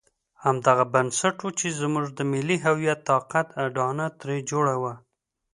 همدغه بنسټ وو چې زموږ د ملي هویت طاقت اډانه ترې جوړه وه.